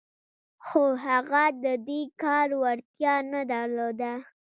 خو هغه د دې کار وړتیا نه درلوده